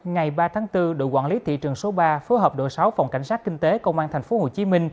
ngày ba tháng bốn đội quản lý thị trường số ba phối hợp đội sáu phòng cảnh sát kinh tế công an tp hcm